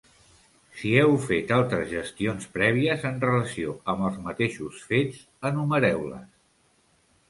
Si heu fet altres gestions prèvies en relació amb els mateixos fets, enumereu-les.